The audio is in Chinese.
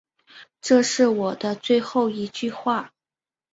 这是我的最后一句话